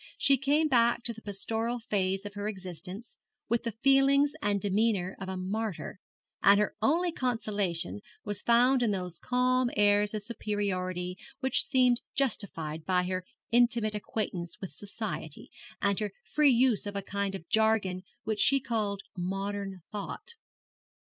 She came back to the pastoral phase of her existence with the feelings and demeanour of a martyr; and her only consolation was found in those calm airs of superiority which seemed justified by her intimate acquaintance with society, and her free use of a kind of jargon which she called modern thought.